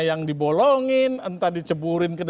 yang dibolongin entah diceburin